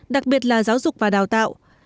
đặc biệt là giáo dục và đào tạo